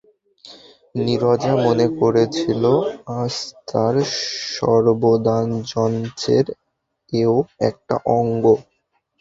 নীরজা মনে করেছিল, আজ তার সর্বদানযঞ্চের এও একটা অঙ্গ।